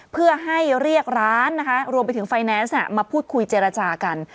เพื่อให้เรียกร้านนะคะรวมไปถึงไฟแนนซ์มาพูดคุยเจรจากัน